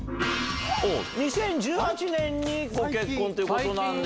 ２０１８年にご結婚ということなんで。